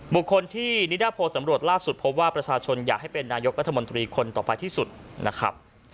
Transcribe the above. บุคคลที่นิดาโพสำรวจล่าสุดพบว่าประชาชนอยากให้เป็นนายกรัฐมนตรีคนต่อไปที่สุดนะครับ